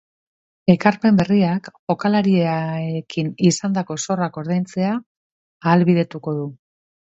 Ekarpen berriak jokalariekin izandako zorrak ordaintzea ahalbidetuko du.